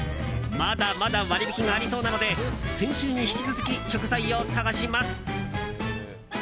まだまだ割引がありそうなので先週に引き続き食材を探します。